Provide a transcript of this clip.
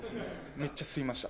めっちゃ吸いました。